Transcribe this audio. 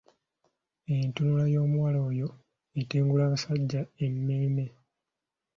Entunula y'omuwala oyo etengula abasajja emmeeme.